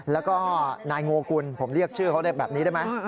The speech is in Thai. แล้วก็นายโงกุลผมเรียกชื่อเขาได้แบบนี้ได้ไหม